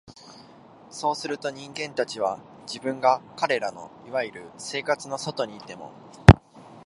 そうすると、人間たちは、自分が彼等の所謂「生活」の外にいても、